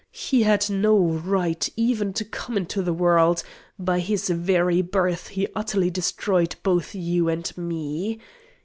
He had no right even to come into the world; by his very birth he utterly destroyed both you and me.